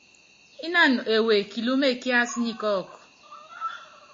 Ínánɔ ewe kilúméne kiású nyi kɔ́ɔ́kɔ.